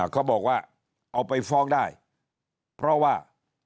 เขาบอกว่าเอาไปฟ้องได้เพราะว่า